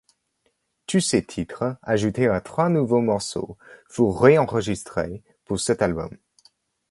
Tous ces titres, ajoutés à trois nouveaux morceaux, furent réenregistré pour cet album.